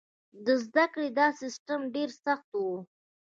د زده کړې دا سیستم ډېر سخت و.